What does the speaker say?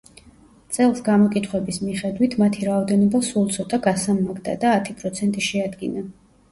წელს გამოკითხვების მიხედვით, მათი რაოდენობა სულ ცოტა, გასამმაგდა და ათი პროცენტი შეადგინა.